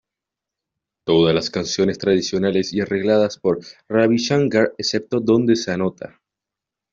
Todas las canciones tradicionales y arregladas por Ravi Shankar excepto donde se anota.